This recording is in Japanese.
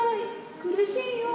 苦しいよ。